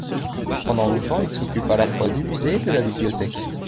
Pendant longtemps, il s'occupe à la fois du musée et de la bibliothèque.